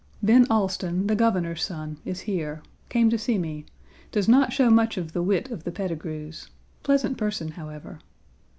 Ben Allston, the Governor's son, is here came to see me; does not show much of the wit of the Petigrus; pleasant person, however.